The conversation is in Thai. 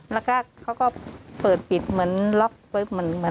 แล้วเขาก็เปิดปิดเหมือนล็อคไว้